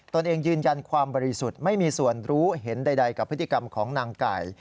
ตนเองยืนยันความบริสุทธิ์ไม่มีส่วนรู้เห็นใดกับพฤติกรรมของนางไก่